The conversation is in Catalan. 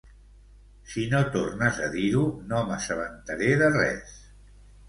Si no tornes a dir-ho, no m'assabentaré de res.